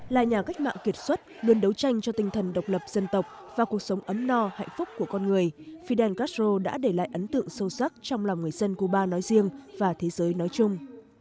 là nhà cách mạng kiệt xuất luôn đấu tranh cho tinh thần độc lập dân tộc và cuộc sống ấm no hạnh phúc của con người fidel castro đã để lại ấn tượng sâu sắc trong lòng người dân cuba nói riêng và thế giới nói chung